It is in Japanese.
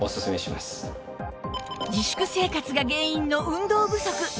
自粛生活が原因の運動不足